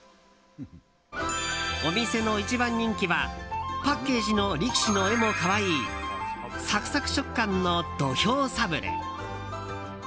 お店の一番人気はパッケージの力士の絵も可愛いサクサク食感の土俵サブレ。